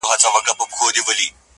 • پر کشپ باندي شېبې نه تېرېدلې -